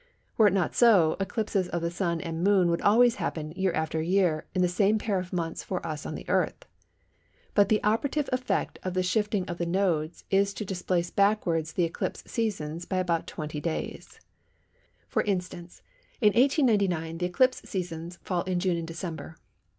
Were it not so, eclipses of the Sun and Moon would always happen year after year in the same pair of months for us on the Earth. But the operative effect of the shifting of the nodes is to displace backwards the eclipse seasons by about 20 days. For instance in 1899 the eclipse seasons fall in June and December.